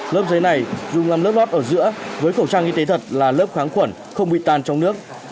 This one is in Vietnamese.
lớp giấy này dùng làm lớp lót ở giữa với khẩu trang y tế thật là lớp kháng khuẩn không bị tan trong nước